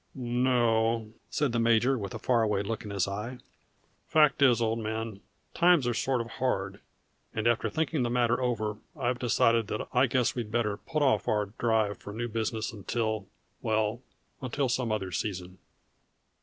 "No," said the major, with a far away look in his eye. "Fact is, old man, times are sort o' hard, and after thinking the matter over I've decided that I guess we'd better put off our drive for new business until well, until some other season."